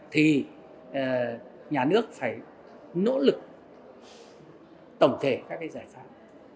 thì nhà nước phải nỗ lực tổng thể các cái giải pháp